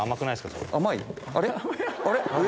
あれ？